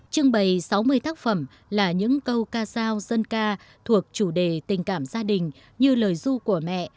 trưng bày sáu mươi tác phẩm là những câu ca giao dân ca thuộc chủ đề tình cảm gia đình như lời du của mẹ